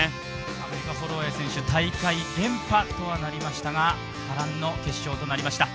アメリカ・ホロウェイ選手大会連覇とはなりましたが波乱の決勝となりました。